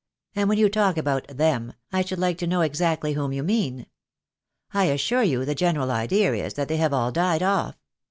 And when you talk about them, I should like to know exactly whom you mean. I assure you the general idea is that they have all died off.